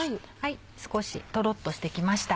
少しとろっとして来ました。